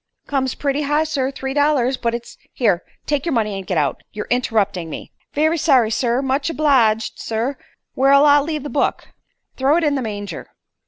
"Comes pretty high, sir. Three dollars. But it's " "Here. Take your money and get out. You're interrupting me." "Very sorry, sir. Much obleeged, sir. Where'll I leave the book?" "Throw it in the manger."